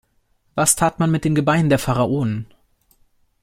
Was tat man mit den Gebeinen der Pharaonen?